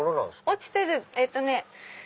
落ちてる。